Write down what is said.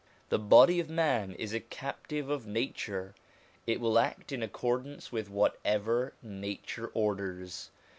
The body of man is a captive of nature ; it will act in accordance with whatever nature orders.